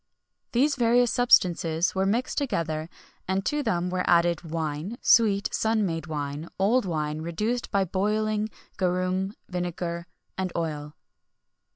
These various substances were mixed together, and to them were added wine, sweet sun made wine, old wine reduced by boiling, garum, vinegar, and oil.